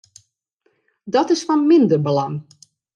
Dat is fan minder belang.